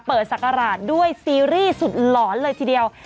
เปิดสักอาหารด้วยซีรีส์สุดหลอนเลยทีเดียว